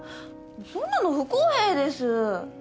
そんなの不公平です。